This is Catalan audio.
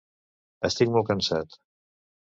Estic molt cansat